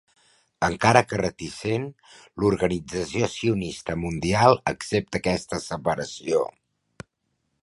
Encara que reticent, l'Organització sionista mundial accepta aquesta separació.